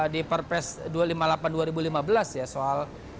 di perpres dua ratus lima puluh delapan dua ribu lima belas ya soal